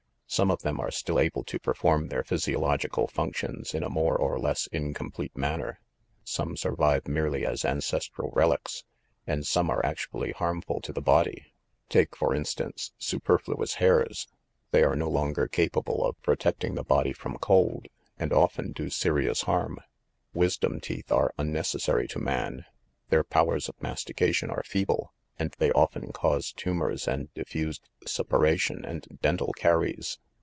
Some of them are still able to perform their physiolog ical functions in a more or less incomplete manner; some survive merely as ancestral relics ; and some are actually harmful to the body. Take, for instance, superfluous hairs; they are no longer capable of pro tecting the body from cold and often do serious harm. Wisdom teeth are unnecessary to man; their powers of mastication are feeble, and they often cause tumors and diffused suppuration and dental caries.